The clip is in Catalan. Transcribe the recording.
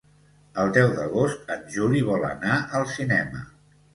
El deu d'agost en Juli vol anar al cinema.